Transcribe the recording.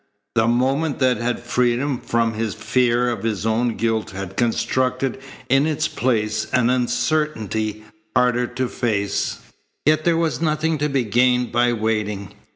The moment that had freed him from fear of his own guilt had constructed in its place an uncertainty harder to face. Yet there was nothing to be gained by waiting.